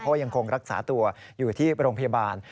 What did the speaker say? เพราะยังคงรักษาตัวอยู่ที่โรงพยาบาล